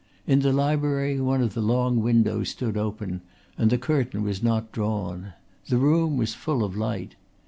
In the library one of the long windows stood open and the curtain was not drawn. The room was full of light.